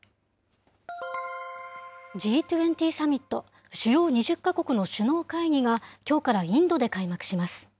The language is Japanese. Ｇ２０サミット・主要２０か国の首脳会議がきょうからインドで開幕します。